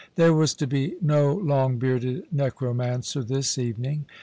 There was to be no long bearded necromancer this evening.